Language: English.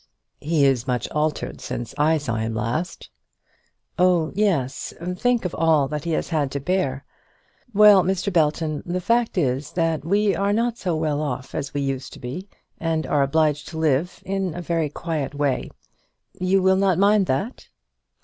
"He is much altered since I saw him last." "Oh, yes. Think of all that he has had to bear! Well, Mr. Belton, the fact is, that we are not so well off as we used to be, and are obliged to live in a very quiet way. You will not mind that?"